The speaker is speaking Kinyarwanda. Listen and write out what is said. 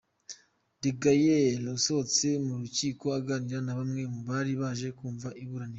De Gaulle asohotse mu rukiko aganira na bamwe mu bari baje kumva iburanisha